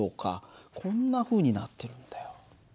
こんなふうになってるんだよ。